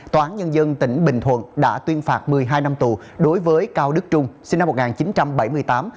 tòa án nhân dân tỉnh bình thuận đã tuyên phạt một mươi hai năm tù đối với cao đức trung sinh năm một nghìn chín trăm bảy mươi tám